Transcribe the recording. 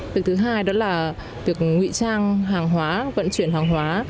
việc thứ hai đó là việc ngụy trang hàng hóa vận chuyển hàng hóa